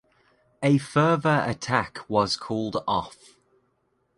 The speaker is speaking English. A further attack was called off.